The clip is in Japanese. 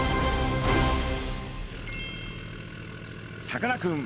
さかなクン